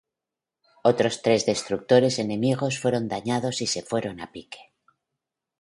Otros tres destructores enemigos fueron dañados y se fueron a pique.